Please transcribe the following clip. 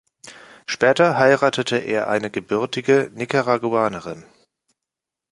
Später heiratete er eine gebürtige Nicaraguanerin.